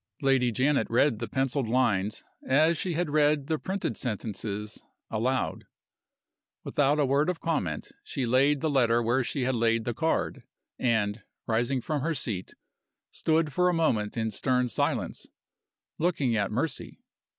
Lady Janet read the penciled lines, as she had read the printed sentences, aloud. Without a word of comment she laid the letter where she had laid the card; and, rising from her seat, stood for a moment in stern silence, looking at Mercy.